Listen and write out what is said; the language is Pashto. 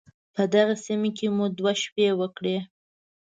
په دغې سيمې کې مو دوه شپې وکړې.